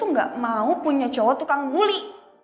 gue tuh gak mau punya cowok tukang bully